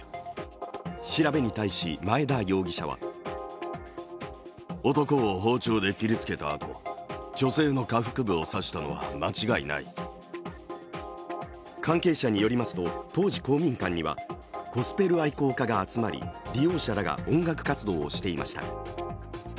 調べに対し前田容疑者は関係者によりますと当時公民館にはゴスペル愛好家が集まり利用者らが音楽活動をしていました。